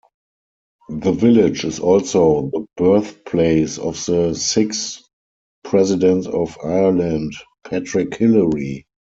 The village is also the birthplace of the sixth President of Ireland, Patrick Hillery.